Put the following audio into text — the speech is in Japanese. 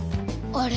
あれ？